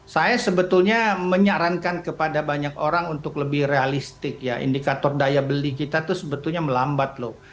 saya sebetulnya menyarankan kepada banyak orang untuk lebih realistik ya indikator daya beli kita tuh sebetulnya melambat loh